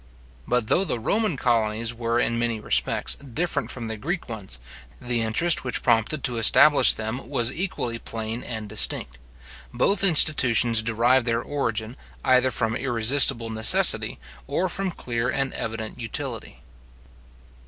But though the Roman colonies were, in many respects, different from the Greek ones, the interest which prompted to establish them was equally plain and distinct. Both institutions derived their origin, either from irresistible necessity, or from clear and evident utility.